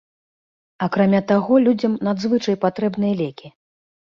Акрамя таго людзям надзвычай патрэбныя лекі.